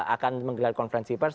akan menggelar konferensi pers